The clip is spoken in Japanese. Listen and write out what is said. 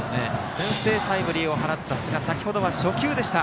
先制タイムリーを放った寿賀先程は初球でした。